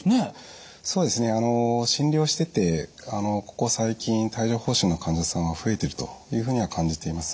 そうですね診療しててここ最近帯状ほう疹の患者さんは増えているというふうには感じています。